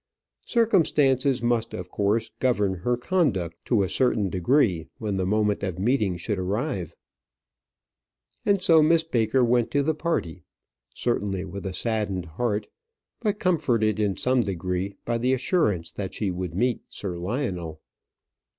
Circumstances must of course govern her conduct to a certain degree when the moment of meeting should arrive. And so Miss Baker went to the party, certainly with a saddened heart, but comforted in some degree by the assurance that she would meet Sir Lionel.